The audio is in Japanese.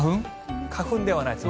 花粉ではないです。